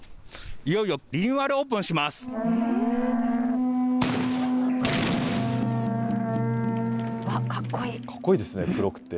いよいよリニューアルオープンしあっ、かっこいいですね、黒くて。